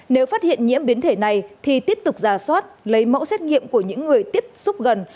nếu phát hiện nhiễm biến thể này thì tiếp tục giả soát lấy mẫu xét nghiệm của những người tiếp xúc gần